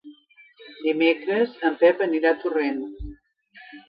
Dimecres en Pep anirà a Torrent.